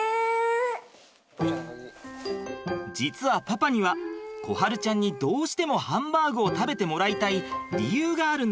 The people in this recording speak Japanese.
実はパパには心晴ちゃんにどうしてもハンバーグを食べてもらいたい理由があるんです。